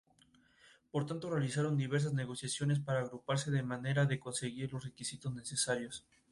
La película ha sido nominada a varios premios y ha ganado varios de ellos.